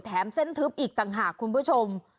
เส้นทึบอีกต่างหากคุณผู้ชม